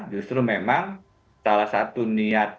justru memang salah satu niat